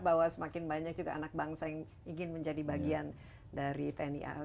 bahwa semakin banyak juga anak bangsa yang ingin menjadi bagian dari tni al